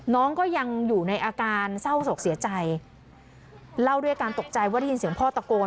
น้องก็ยังอยู่ในอาการเศร้าศกเสียใจเล่าด้วยการตกใจว่าได้ยินเสียงพ่อตะโกน